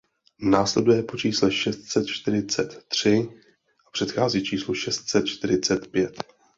Následuje po čísle šest set čtyřicet tři a předchází číslu šest set čtyřicet pět.